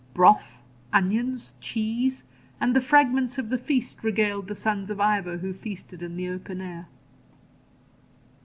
Broth, onions, cheese, and the fragments of the feast regaled the sons of Ivor who feasted in the open air.